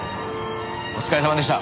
お疲れさまでした。